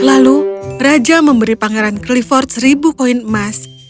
lalu raja memberi pangeran clifford seribu koin emas